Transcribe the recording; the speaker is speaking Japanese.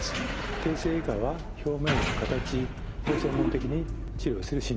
形成外科は表面や形を専門的に治療する診療科です。